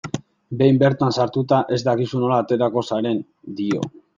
Behin bertan sartuta, ez dakizu nola aterako zaren, dio.